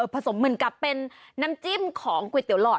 สมเหมือนกับเป็นน้ำจิ้มของก๋วยเตี๋ยหลอด